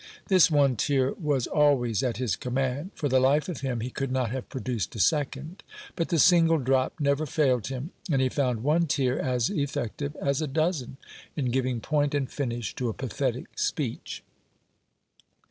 This one tear was always at his command. For the life of him he could not have produced a second; but the single drop never failed him, and he found one tear as effective as a dozen, in giving point and finish to a pathetic speech.